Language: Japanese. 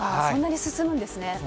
そんなに進むんですね。